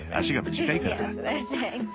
足が短いから。